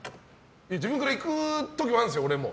自分から行く時もあるんですよ俺も。